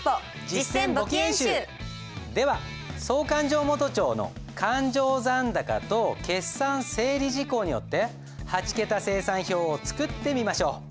実践簿記演習！では総勘定元帳の勘定残高と決算整理事項によって８桁精算表を作ってみましょう。